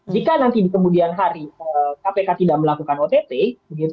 jika nanti kemudian hari kpk tidak melakukan otk